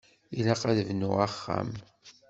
Ilaq ad d-bnuɣ axxam.